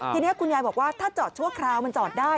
ทีนี้คุณยายบอกว่าถ้าจอดชั่วคราวมันจอดได้